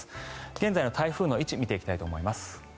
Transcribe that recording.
現在の台風の位置見ていきたいと思います。